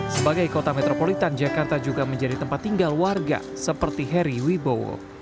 sebagai kota metropolitan jakarta juga menjadi tempat tinggal warga seperti heri wibowo